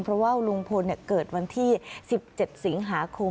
เพราะว่าลุงพลเกิดวันที่๑๗สิงหาคม